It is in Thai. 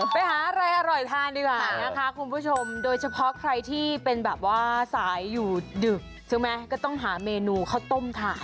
ไปหาอะไรอร่อยทานดีกว่านะคะคุณผู้ชมโดยเฉพาะใครที่เป็นแบบว่าสายอยู่ดึกใช่ไหมก็ต้องหาเมนูข้าวต้มทาน